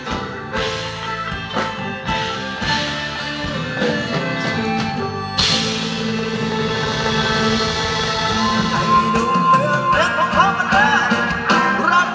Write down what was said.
สามหากสามสามวัน